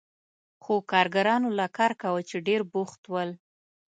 خو کارګرانو لا کار کاوه چې ډېر بوخت ول.